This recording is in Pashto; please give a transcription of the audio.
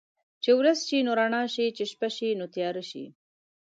چې ورځ شي نو رڼا شي، چې شپه شي نو تياره شي.